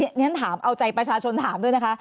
ฉันถามเอาใจประชาชนถามด้วยนะคะ